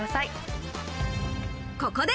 ここで。